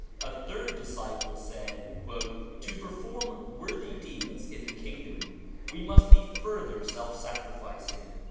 A third disciple said "To perform Worthy deeds in the kingdom we must be further self sacrificing.